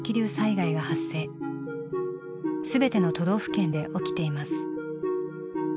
全ての都道府県で起きています。